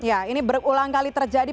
ya ini berulang kali terjadi